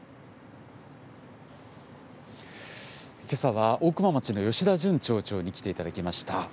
けさは大熊町の吉田淳町長に来ていただきました。